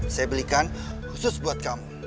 saya belikan khusus buat kamu